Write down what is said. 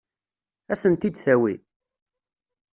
Ad sen-t-id-tawi?